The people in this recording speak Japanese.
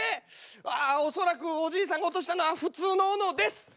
ああ恐らくおじいさんが落としたのは普通の斧です！